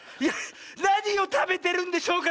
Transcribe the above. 「なにをたべてるんでしょうか」